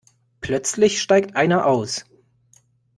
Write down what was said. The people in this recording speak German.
Plötzlich steigt einer aus.